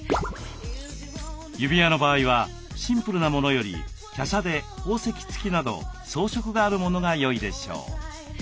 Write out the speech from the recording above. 指輪の場合はシンプルなものより華奢で宝石付きなど装飾があるものがよいでしょう。